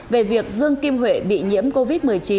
về việc dương kim huệ bị nhiễm covid một mươi chín